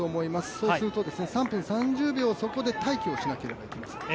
そうすると３分３０秒そこで待機しなければいけません。